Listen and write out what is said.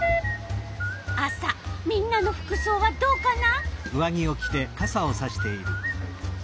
みんなの服そうはどうかな？